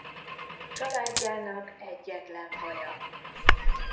Családjának egyetlen faja.